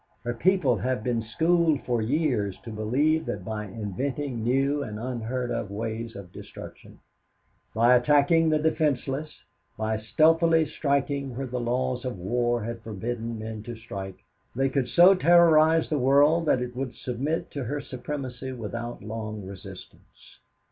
Her people have been schooled for years to believe that by inventing new and unheard of ways of destruction, by attacking the defenseless, by stealthily striking where the laws of war had forbidden men to strike, they could so terrorize the world that it would submit to her supremacy without long resistance.